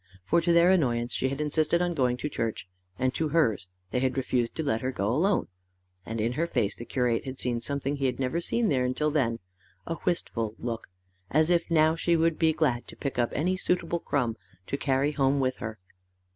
For, to their annoyance, she had insisted on going to church, and to hers, they had refused to let her go alone. And in her face the curate had seen something he had never seen there until then, a wistful look, as if now she would be glad to pick up any suitable crumb to carry home with her.